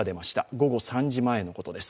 午後３時前のことです。